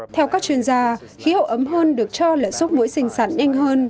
theo các chuyên gia khí hậu ấm hơn được cho là giúp mũi sinh sản nhanh hơn